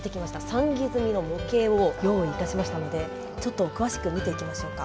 算木積みの模型を用意いたしましたのでちょっと詳しく見ていきましょうか。